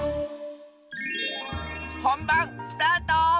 ほんばんスタート！